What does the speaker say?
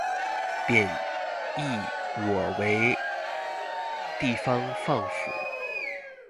貶抑我為地方放府